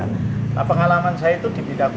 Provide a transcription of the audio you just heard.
nah pengalaman saya itu di bidang